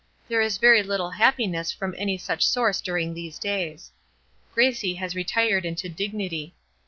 There is very little happiness from any such source during these days. Gracie has retired into dignity.